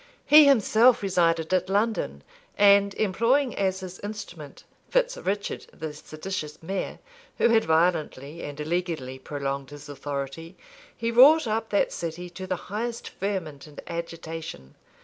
He himself resided at London; and employing as his instrument Fitz Richard, the seditious mayor, who had violently and illegally prolonged his authority, he wrought up that city to the highest ferment and agitation.